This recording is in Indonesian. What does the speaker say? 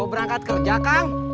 mau berangkat kerja kang